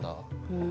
うん。